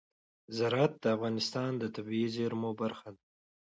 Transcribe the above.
زراعت د افغانستان د طبیعي زیرمو برخه ده.